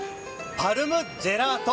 パルムジェラート